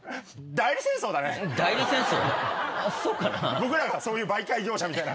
僕らがそういう媒介業者みたいな。